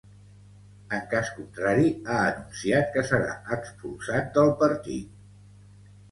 En cas contrari, ha anunciat que serà expulsat’del partit.